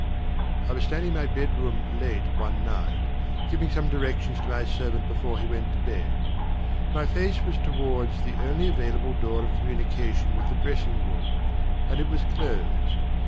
I was standing in my bedroom late one night, giving some directions to my servant before he went to bed. My face was towards the only available door of communication with the dressing room, and it was closed.